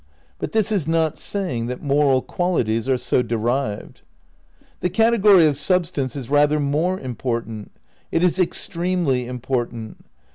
But this is not saying that moral qualities are so derived. The category of Substance is rather more important. It is extremely important.